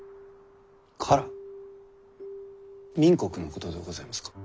明国のことでございますか？